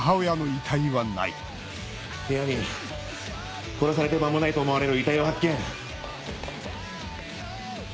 部屋に殺されて間もないと思われる遺体を発見。